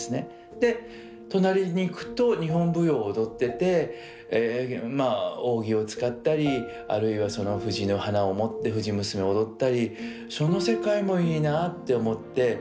で隣に行くと日本舞踊を踊っててまあ扇を使ったりあるいは藤の花を持って藤娘を踊ったりその世界もいいなあって思って。